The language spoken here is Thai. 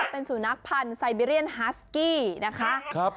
เป็นสุนัขพันธ์ไซบีเรียนฮาสกี้นะคะ